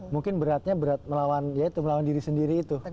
mungkin beratnya berat melawan diri sendiri itu